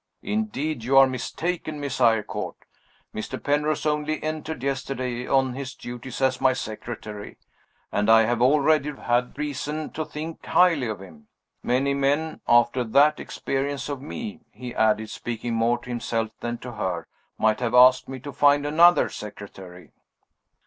"Indeed, you are mistaken, Miss Eyrecourt. Mr. Penrose only entered yesterday on his duties as my secretary, and I have already had reason to think highly of him. Many men, after that experience of me," he added, speaking more to himself than to her, "might have asked me to find another secretary."